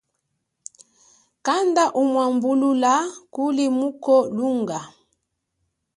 Kanda umwambulula kuli muko lunga.